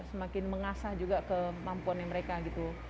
semakin mengasah juga kemampuannya mereka gitu